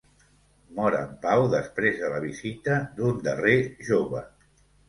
Mor en pau després de la visita d'un darrer jove.